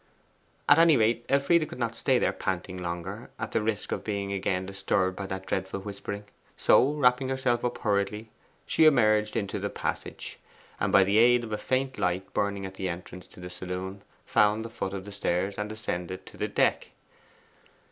At any rate Elfride could not stay there panting longer, at the risk of being again disturbed by that dreadful whispering. So wrapping herself up hurriedly she emerged into the passage, and by the aid of a faint light burning at the entrance to the saloon found the foot of the stairs, and ascended to the deck.